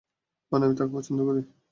মানে, আমি তোকে পছন্দ করি।